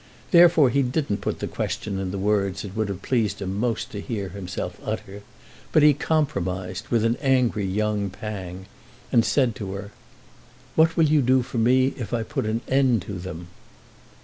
Therefore he didn't put the question in the words it would have pleased him most to hear himself utter, but he compromised, with an angry young pang, and said to her: "What will you do for me if I put an end to them?"